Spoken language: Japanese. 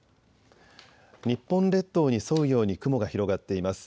日本列島に沿うように雲が広がっています。